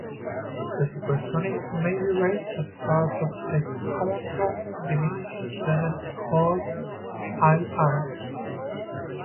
The supertonic may be raised as part of the common-tone diminished seventh chord, ii.